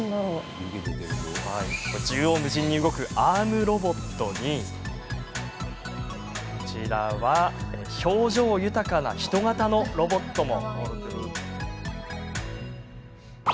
縦横無尽に動くアームロボットに表情豊かな人型のロボットも。